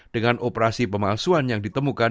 dengan operasi pemalsuan yang ditemukan